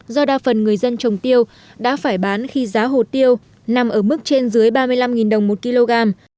do đa phần người dân trồng tiêu đã phải bán khi giá hồ tiêu nằm ở mức trên dưới ba mươi năm đồng một kg